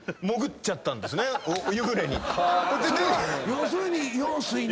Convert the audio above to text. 要するに羊水に。